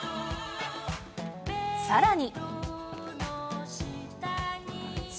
さらに。